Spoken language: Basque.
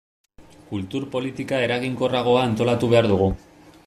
Kultur politika eraginkorragoa antolatu behar dugu.